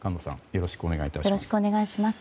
よろしくお願いします。